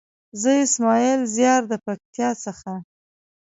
زه اسماعيل زيار د پکتيا څخه.